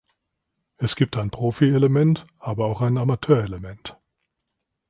Es gibt ein Profielement, aber auch ein Amateurelement.